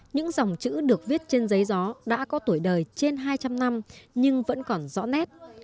những dòng chữ được viết trên giấy gió đã có tuổi đời trên hai trăm linh năm nhưng vẫn còn rõ nét